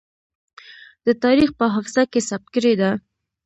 د تاريخ په حافظه کې ثبت کړې ده.